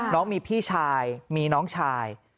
น้องมีพี่ชายมีน้องชาย